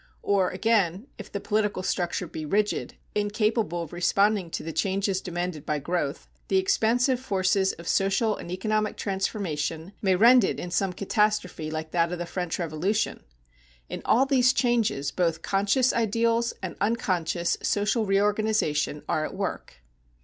Or again, if the political structure be rigid, incapable of responding to the changes demanded by growth, the expansive forces of social and economic transformation may rend it in some catastrophe like that of the French Revolution. In all these changes both conscious ideals and unconscious social reorganization are at work.